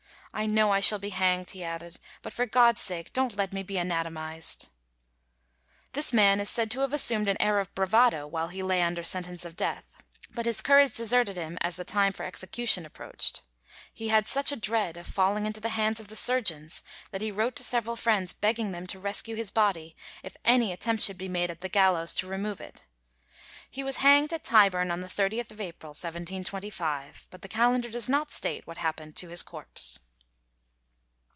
"I know I shall be hanged," he added; "but for God's sake don't let me be anatomized." This man is said to have assumed an air of bravado while he lay under sentence of death, but his courage deserted him as the time for execution approached. He had such a dread of falling into the hands of the surgeons that he wrote to several friends begging them to rescue his body if any attempt should be made at the gallows to remove it. He was hanged at Tyburn on the 30th April, 1725; but the calendar does not state what happened to his corpse.